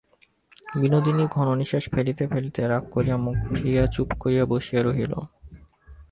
বিনোদিনী ঘন নিশ্বাস ফেলিতে ফেলিতে রাগ করিয়া মুখ ফিরাইয়া চুপ করিয়া বসিয়া রহিল।